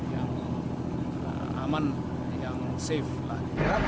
yang aman yang safe lah